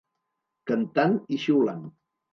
Cantant i xiulant.